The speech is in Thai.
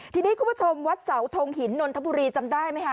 ทีนี้คุณผู้ชมวัดเสาทงหินนนทบุรีจำได้ไหมคะ